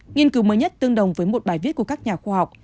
nghiên cứu mới nhất tương đồng với một bài viết của các nhà khoa học